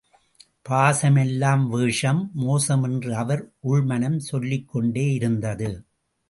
பாசம் எல்லாம் வேஷம், மோசம், என்று அவர் உள் மனம் சொல்லிக் கொண்டேயிருந்தது.